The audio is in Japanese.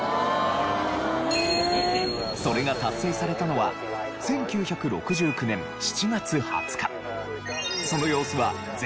それが達成されたのは１９６９年７月２０日。